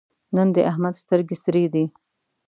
نن د احمد سترګې سرې دي.